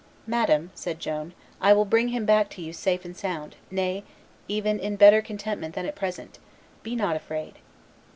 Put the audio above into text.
"Madame," said Joan, "I will bring him back to you safe and sound, nay, even in better contentment than at present; be not afraid."